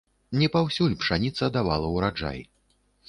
Не паўсюль пшаніца давала ўраджай.